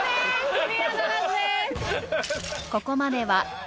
クリアならずです。